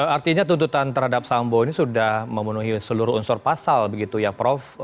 artinya tuntutan terhadap sambo ini sudah memenuhi seluruh unsur pasal begitu ya prof